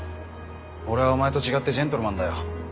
俺はお前と違ってジェントルマンだよ。